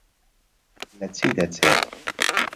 لە چی دەچێت؟